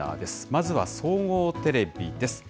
まずは総合テレビです。